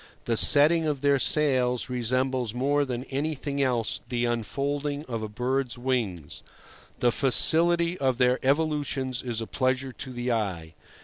The setting of their sails resembles more than anything else the unfolding of a bird's wings; the facility of their evolutions is a pleasure to the eye.